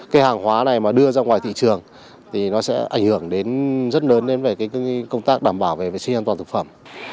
cái hàng hóa này mà đưa ra ngoài thị trường thì nó sẽ ảnh hưởng đến rất lớn đến về công tác đảm bảo về vệ sinh an toàn thực phẩm